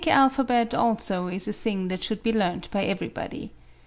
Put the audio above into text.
The Greek alphabet also is a thing that should be learnt by everybody.